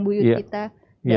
buyut kita dan lain sebagainya